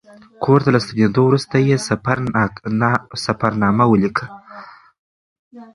کور ته له ستنېدو وروسته یې سفرنامه ولیکله.